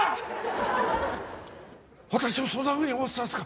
私をそんなふうに思ってたんですか？